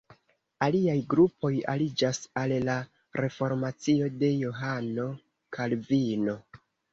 Aliaj grupoj aliĝas al la reformacio de Johano Kalvino.